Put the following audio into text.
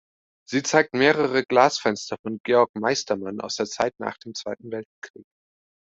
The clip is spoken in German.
Sie zeigt mehrere Glasfenster von Georg Meistermann aus der Zeit nach dem Zweiten Weltkrieg.